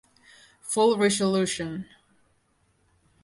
Full resolution